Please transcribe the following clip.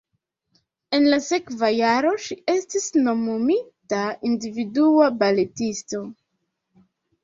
En la sekva jaro ŝi estis nomumita individua baletisto.